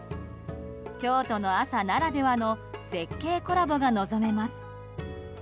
京都の朝ならではの絶景コラボが望めます。